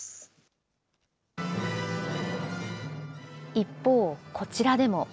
一方、こちらでも。